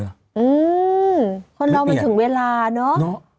ทุกคนถึงเวลาเนาะ